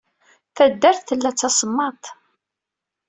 Taddart tella d tasemmaḍt.